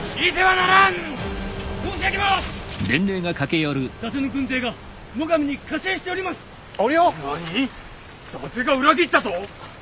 なに⁉伊達が裏切ったと？